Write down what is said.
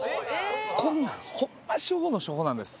こんなん、ホンマ初歩の初歩なんです。